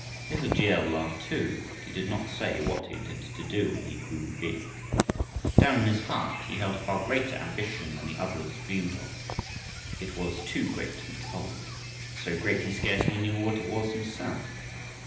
Little G. L. laughed too, but he did not say what he intended to do when he grew big. Down in his heart he held a far greater ambition than the others dreamed of. It was too great to be told so great he scarcely knew what it was himself.